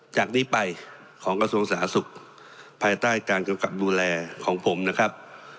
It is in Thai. จากนี้ไปของกระทรวงสาธารณสุขภายใต้การกำกับดูแลของผมนะครับ